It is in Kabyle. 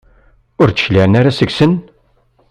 Ur d-cliɛen ara seg-sen?